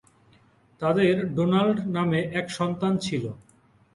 তাদের ডোনাল্ড নামে এক সন্তান ছিল।